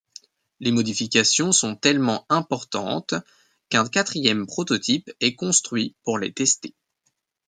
Les modifications sont tellement importantes qu'un quatrième prototype est construit pour les tester.